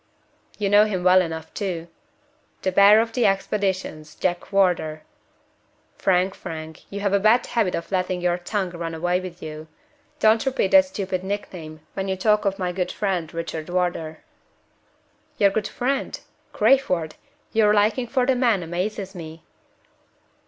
"You know him well enough, too. The 'Bear of the Expeditions' Richard Wardour." "Frank! Frank! you have a bad habit of letting your tongue run away with you. Don't repeat that stupid nickname when you talk of my good friend, Richard Wardour." "Your good friend? Crayford! your liking for that man amazes me."